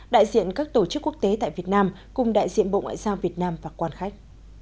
đại diện các tổ chức quốc tế tại việt nam cùng đại diện bộ ngoại giao việt nam và quan khách